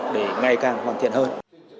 để ngày càng hoàn thiện hơn